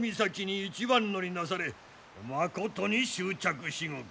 岬に一番乗りなされまことに祝着至極。